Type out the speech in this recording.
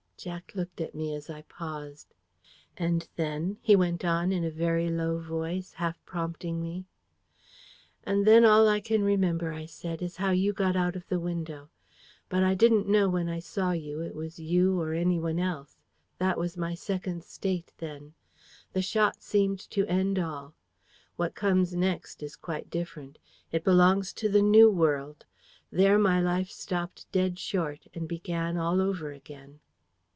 Jack looked at me as I paused. "And then?" he went on in a very low voice, half prompting me. "And then all I can remember," I said, "is how you got out of the window. But I didn't know when I saw you, it was you or anyone else. That was my Second State then. The shot seemed to end all. What comes next is quite different. It belongs to the new world. There, my life stopped dead short and began all over again."